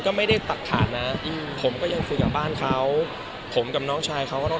คือตอนนี้ครับก็คงจะต้อง